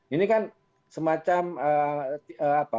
ini kan semacam permainan tidak berhasil